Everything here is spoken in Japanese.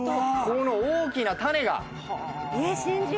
この大きな種が！